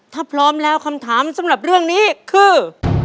ถ้าพร้อมแล้วคำถามสำหรับเรื่องนี้คือ